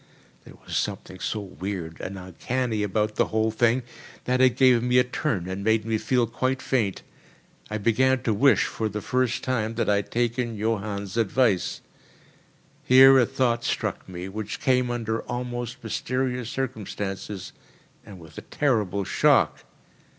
There was something so weird and uncanny about the whole thing that it gave me a turn and made me feel quite faint. I began to wish, for the first time, that I had taken Johann's advice. Here a thought struck me, which came under almost mysterious circumstances and with a terrible shock.